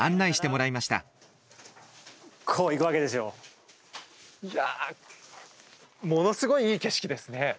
ものすごいいい景色ですね。